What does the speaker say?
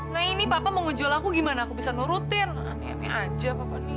nah ini papa mau jual aku gimana aku bisa nurutin aneh aneh aja papan